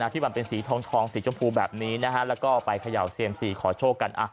ที่มันเป็นสีทองสีชมพูแบบนี้แล้วก็ไปเขย่าเซียมสี่ขอโชคกัน